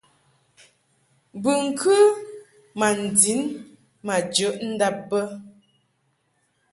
Bɨŋkɨ ma ndin ma jəʼ ndab bə.